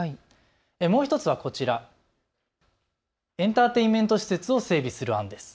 もう１つはこちら、エンターテインメント施設を整備する案です。